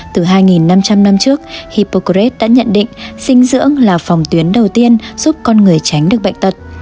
từ hai năm trăm linh năm trước hepocret đã nhận định dinh dưỡng là phòng tuyến đầu tiên giúp con người tránh được bệnh tật